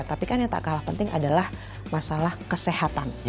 tapi kan yang tak kalah penting adalah masalah kesehatan